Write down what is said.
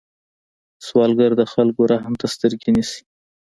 سوالګر د خلکو رحم ته سترګې نیسي